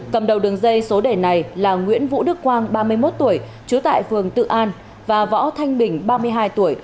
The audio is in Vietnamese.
cầm đầu đường dây số đề này là nguyễn vũ đức quang ba mươi một tuổi trú tại phường tự an và võ thanh bình ba mươi hai tuổi